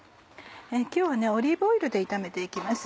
今日はオリーブオイルで炒めて行きます。